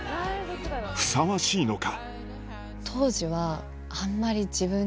ふさわしいのか？